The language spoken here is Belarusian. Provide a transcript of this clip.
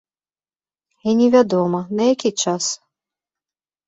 І невядома, на які час?